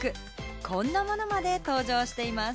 こんなものまで登場しています。